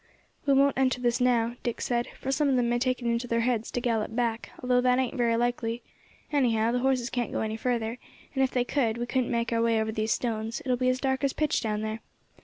"We won't enter this now," Dick said, "for some of them may take it into their heads to gallop back, although that ain't very likely. Anyhow the horses can't go any further, and if they could, we couldn't make our way over these stones; it'll be as dark as pitch down there.